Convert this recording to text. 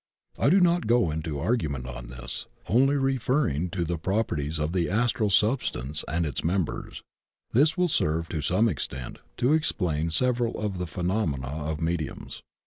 I do not go into argument on this, only referring to the proper ties of the Astral substance and members. This win serve to some extent to explain several of the phenom ena of mediums.